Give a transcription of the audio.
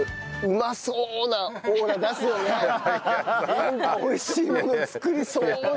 なんか美味しいものを作りそうな。